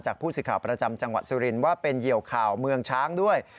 ผู้สื่อข่าวประจำจังหวัดสุรินทร์ว่าเป็นเหยียวข่าวเมืองช้างด้วย